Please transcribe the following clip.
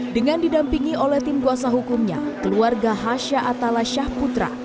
dengan didampingi oleh tim kuasa hukumnya keluarga hasha atala syahputra